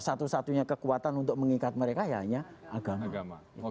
satu satunya kekuatan untuk mengikat mereka ya hanya agama